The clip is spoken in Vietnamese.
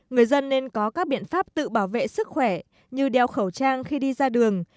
người dân nên có các biện pháp tự bảo vệ sức khỏe như đeo khẩu trang khi đi ra đường